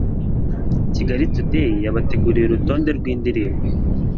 Kigali Today yabateguriye urutonde rw'indirimbo